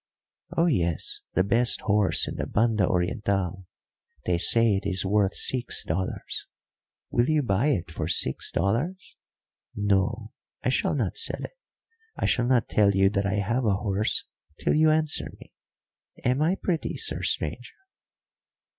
"Oh, yes, the best horse in the Banda Orientál. They say it is worth six dollars will you buy it for six dollars? No, I shall not sell it I shall not tell you that I have a horse till you answer me. Am I pretty, sir stranger?"